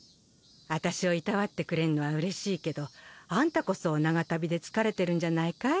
私をいたわってくれんのはうれしいけどあんたこそ長旅で疲れてるんじゃないかい？